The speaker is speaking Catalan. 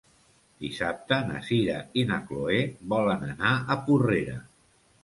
Dissabte na Sira i na Chloé volen anar a Porrera.